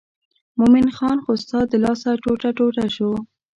مومن خان خو ستا د لاسه ټوټه ټوټه شو.